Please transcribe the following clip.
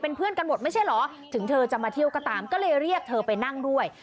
เพื่อนกันหมดไม่ใช่เหรอถึงเธอจะมาเที่ยวก็ตามก็เลยเรียกเธอไปนั่งด้วย